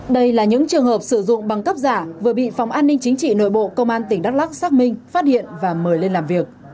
đây là những trường hợp sử dụng băng cấp giả vừa bị phòng an ninh chính trị nội bộ công an tỉnh đắk lắc xác minh phát hiện và mời lên làm việc